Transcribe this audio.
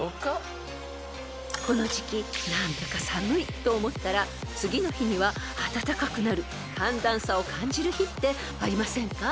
［この時期何だか寒いと思ったら次の日には暖かくなる寒暖差を感じる日ってありませんか？］